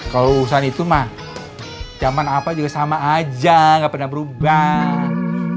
kalau urusan itu mah zaman apa juga sama aja gak pernah berubah